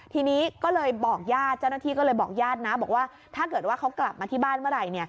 ทีนี้ก็เลยบอกญาติเจ้าหน้าที่ก็เลยบอกญาตินะบอกว่าถ้าเกิดว่าเขากลับมาที่บ้านเมื่อไหร่